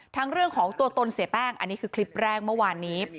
เรื่องของตัวตนเสียแป้งอันนี้คือคลิปแรกเมื่อวานนี้